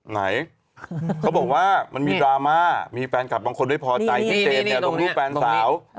ไหนเขาบอกว่ามันมีดราม่ามีแฟนคลับบางคนไม่พอใจพี่เจมส์เนี่ยลงรูปแฟนสาว